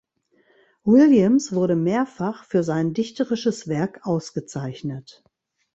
Williams wurde mehrfach für sein dichterisches Werk ausgezeichnet.